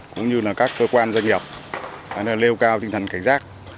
cũng như là các cơ quan doanh nghiệp lêu cao tinh thần cảnh giác